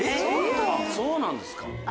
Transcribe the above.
そうなんですか。